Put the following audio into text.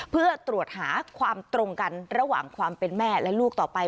เพื่อตรวจหาความตรงกันระหว่างความเป็นแม่และลูกต่อไป